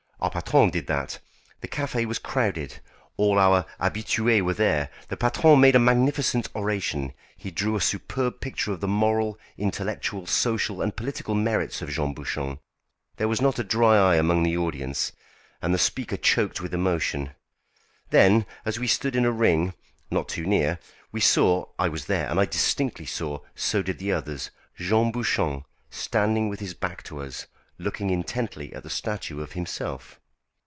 Our patron did that. The café was crowded. All our habitués were there. The patron made a magnificent oration; he drew a superb picture of the moral, intellectual, social, and political merits of Jean Bouchon. There was not a dry eye among the audience, and the speaker choked with emotion. Then, as we stood in a ring, not too near, we saw I was there and I distinctly saw, so did the others Jean Bouchon standing with his back to us, looking intently at the statue of himself.